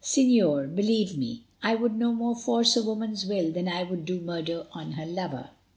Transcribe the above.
Señor, believe me, I would no more force a woman's will than I would do murder on her lover."